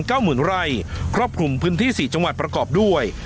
กษัตริย์ตอบขุมพื้นที่๔จังหวัดประกอบด้วย